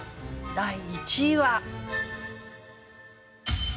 第１位は。